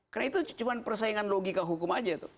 karena itu cuma persaingan logika hukum aja